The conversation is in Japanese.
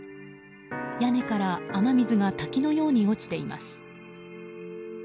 屋根から雨水が滝のように落ちています。